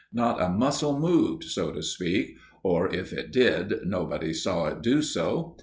Not a muscle moved, so to speak, or if it did nobody saw it do so.